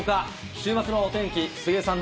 週末のお天気、杉江さん